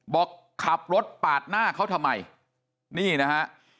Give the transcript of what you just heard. บอกขับรถปาดหน้าเขาทำไมนี่นะฮะ